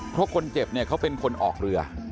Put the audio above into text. เพราะคนเจ็บเนี่ยเขาเป็นคนออกเรือ